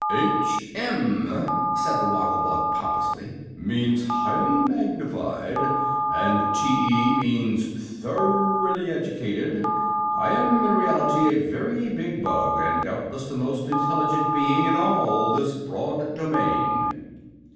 "H. M.," said the Woggle Bug, pompously, "means Highly Magnified; and T. E. means Thoroughly Educated. I am, in reality, a very big bug, and doubtless the most intelligent being in all this broad domain."